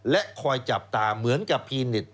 และคอยจับตาเหมือนกับพีเน็ต